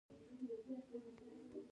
اوس د څه شي په اړه فکر کوې؟ هغې وپوښتل.